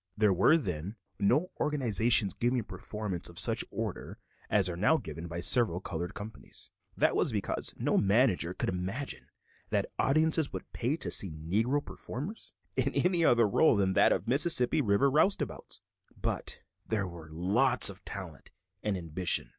There were then no organizations giving performances of such order as are now given by several colored companies; that was because no manager could imagine that audiences would pay to see Negro performers in any other role than that of Mississippi River roustabouts; but there was lots of talent and ambition.